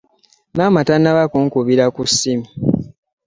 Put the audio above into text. Maama tannaba kunkubira ku ssimu.